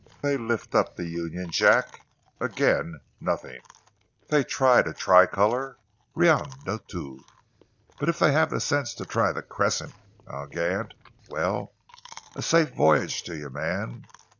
They lift up the Union Jack; again nothing. They try the Tricolour; rien de tout. But if they have the sense to try the Crescent eh, Gant? Well, a safe voyage to you, man.